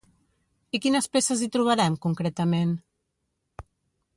I quines peces hi trobarem, concretament?